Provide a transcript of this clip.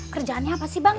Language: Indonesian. kerjaannya apa sih bang